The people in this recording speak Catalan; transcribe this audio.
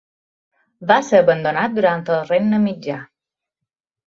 Va ser abandonat durant el Regne Mitjà.